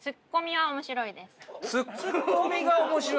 はい。